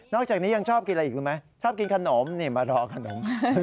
จากนี้ยังชอบกินอะไรอีกรู้ไหมชอบกินขนมนี่มารอขนม